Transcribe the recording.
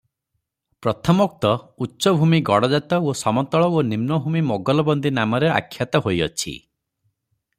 ପ୍ରଥମୋକ୍ତ ଉଚ୍ଚଭୂମି ଗଡ଼ଜାତ ଓ ସମତଳ ଏବଂ ନିମ୍ନଭୂମି ମୋଗଲବନ୍ଦୀ ନାମରେ ଆଖ୍ୟାତ ହୋଇଅଛି ।